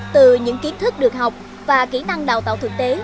từ những kiến thức được học và kỹ năng đào tạo thực tế